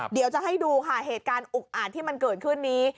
เดี๋ยวจะให้ดูค่ะเหตุการณ์อุกอาจที่มันเกิดขึ้นนี้